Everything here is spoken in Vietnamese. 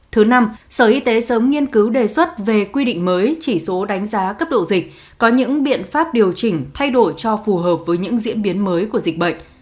thứ năm sở y tế sớm nghiên cứu đề xuất về quy định mới chỉ số đánh giá cấp độ dịch có những biện pháp điều chỉnh thay đổi cho phù hợp với những diễn biến mới của dịch bệnh